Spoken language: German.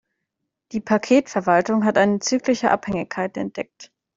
Die Paketverwaltung hat eine zyklische Abhängigkeit entdeckt.